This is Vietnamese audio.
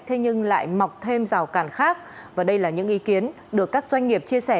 thế nhưng lại mọc thêm rào cản khác và đây là những ý kiến được các doanh nghiệp chia sẻ